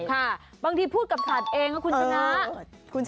ค่ะบางทีพูดกับสัตว์เองนะคุณชนะ